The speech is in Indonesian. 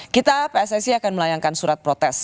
kita pssi akan melayangkan surat protes